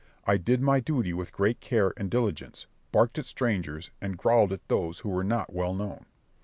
I did my duty with great care and diligence, barked at strangers, and growled at those who were not well known.